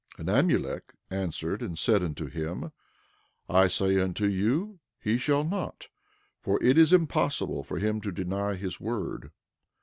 And Amulek answered and said unto him: I say unto you he shall not, for it is impossible for him to deny his word.